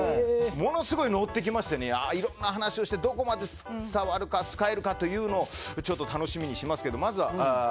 ものすごい乗ってきましていろんな話をしてどこまで伝わるか、使えるかをちょっと楽しみにしてますけども。